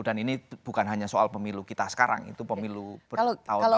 dan ini bukan hanya soal pemilu kita sekarang itu pemilu bertahun tahun juga begitu